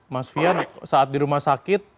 mas fian saat di rumah sakit